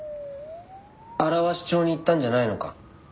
荒鷲町に行ったんじゃないのか？